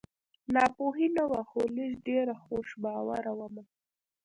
ناپوهي نه وه خو لږ ډېره خوش باوره ومه